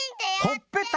「ほっぺた！」